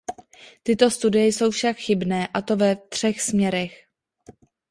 Tyto studie jsou však chybné, a to ve třech směrech.